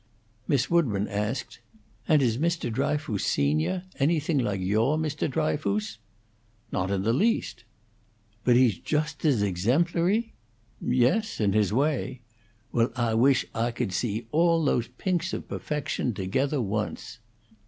Miss Woodburn asked, "And is Mr. Dryfoos senio' anything like ouah Mr. Dryfoos?" "Not the least." "But he's jost as exemplary?" "Yes; in his way." "Well, Ah wish Ah could see all those pinks of puffection togethah, once."